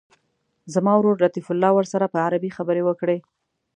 زما ورور لطیف الله ورسره په عربي خبرې وکړي.